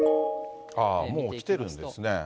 もうきてるんですね。